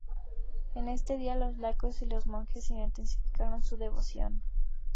En este día, los laicos y los monjes intensifican su devoción.